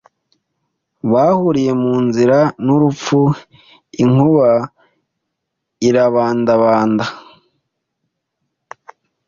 Bahuriye mu nzira n'urupfu, inkuba irabandabanda,